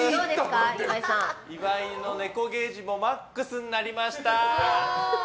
岩井のネコゲージもマックスになりました！